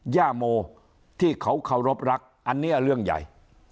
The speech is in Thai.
ย่าโมที่เขาเคารพรักอันนี้เรื่องใหญ่